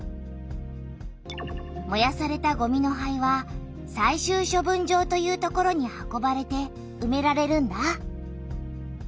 もやされたごみの灰は最終処分場という所に運ばれてうめられるんだ。